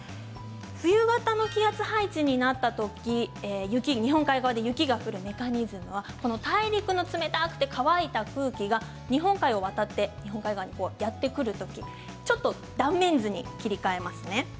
冬型の気圧配置になった時日本海側で雪が降るメカニズムは大陸の冷たくて乾いた空気が日本海を渡って日本海側にやって来る時ちょっと断面図に切り替えますね。